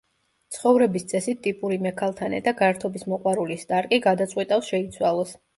ცხოვრების წესით ტიპური მექალთანე და გართობის მოყვარული სტარკი გადაწყვიტავს შეიცვალოს.